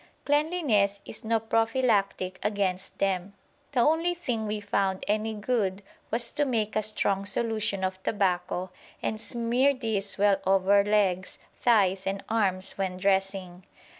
Cleanliness is no prophylactic against them. The only thing we found any good was to make a strong solution of tobacco and smear this well over legs, thighs, and arms when dressing.